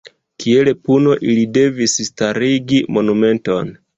Kiel puno ili devis starigi monumenton.